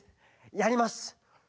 やります。